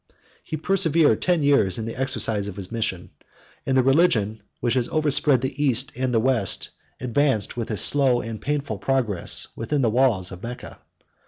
He persevered ten years in the exercise of his mission; and the religion which has overspread the East and the West advanced with a slow and painful progress within the walls of Mecca.